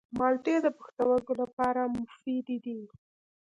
مالټې د پښتورګو لپاره مفیدې دي.